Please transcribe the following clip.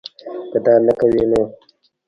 کۀ دا نۀ کوي نو